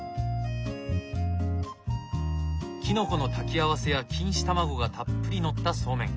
キノコの炊き合わせや錦糸卵がたっぷり載ったそうめん。